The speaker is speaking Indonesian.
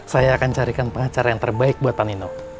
saya akan carikan pengacara yang terbaik buat tanino